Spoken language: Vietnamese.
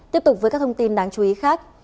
tiếp tục với các thông tin đáng chú ý khác